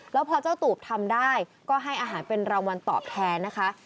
แล้วพอเจ้าตูบทำได้ก็ให้อาหารเป็นรางวัลตอบแทนนะคะ